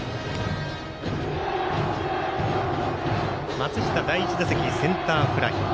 松下、第１打席、センターフライ。